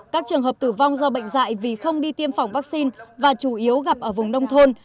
các trường hợp tử vong do bệnh dạy vì không đi tiêm phòng vaccine và chủ yếu gặp ở vùng nông thôn